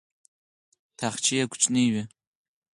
تاخچې یې کوچنۍ وې.